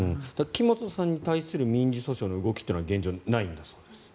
木本さんに対する民事訴訟の動きというのは現状ないんだそうです。